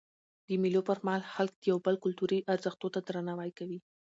د مېلو پر مهال خلک د یو بل کلتوري ارزښتو ته درناوی کوي.